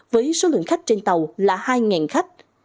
với số lượng khách trên tàu là hai khách